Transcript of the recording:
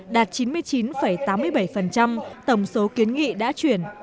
đạt chín mươi chín tám mươi bảy tổng số kiến nghị đã chuyển